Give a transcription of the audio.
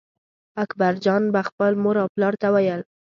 اکبرجان به خپل مور او پلار ته ویل.